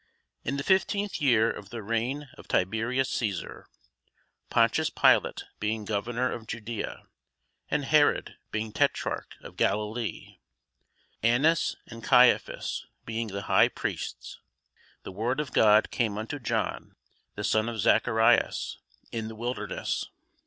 In the fifteenth year of the reign of Tiberius Cæsar, Pontius Pilate being governor of Judæa, and Herod being tetrarch of Galilee, Annas and Caiaphas being the high priests, the word of God came unto John the son of Zacharias in the wilderness.